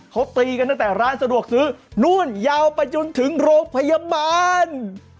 เขาตีกันตั้งแต่ร้านสะดวกซื้อนู่นยาวไปจนถึงโรงพยาบาล